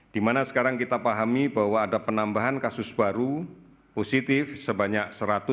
di mana sekarang kita pahami bahwa ada penambahan kasus baru positif sebanyak satu ratus tujuh puluh